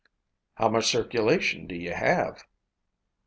"How much circulation do you have?"